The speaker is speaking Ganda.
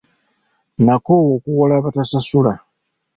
Nakoowa okuwola abatasasula.